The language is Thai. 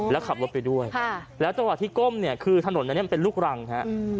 แล้วขับรถไปด้วยแล้วจังหวะที่ก้มเนี่ยคือถนนอันนี้มันเป็นลูกรังฮะ